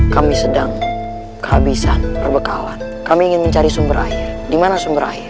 kami sedang kehabisan perbekalan kami ingin mencari sumber air di mana sumber air